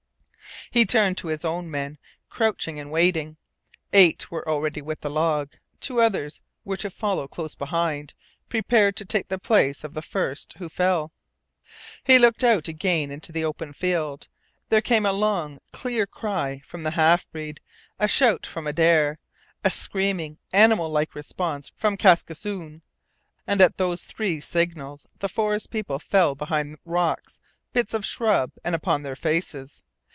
He turned to his own men, crouching and waiting. Eight were ready with the log. Two others were to follow close behind, prepared to take the place of the first who fell. He looked again out into the open field. There came a long clear cry from the half breed, a shout from Adare, a screaming, animal like response from Kaskisoon, and at those three signals the forest people fell behind rocks, bits of shrub, and upon their faces.